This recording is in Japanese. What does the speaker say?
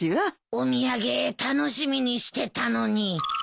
お土産楽しみにしてたのに。